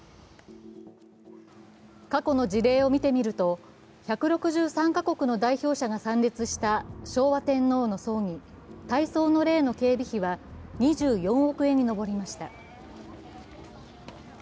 過去の事例を見てみると１６３か国の代表者が参列した昭和天皇の葬儀、大喪の礼の警備費は２４億円に上りました。